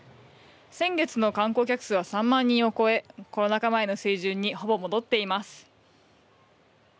先月の観光客数は３万人を超えコロナ禍前の水準にほぼ戻っています。